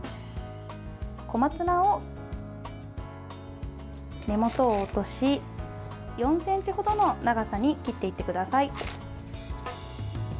小松菜を、根元を落とし４ｃｍ程の長さに切っていってください。